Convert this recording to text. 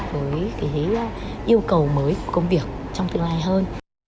với cái yêu cầu mới của công việc trong tương lai hơn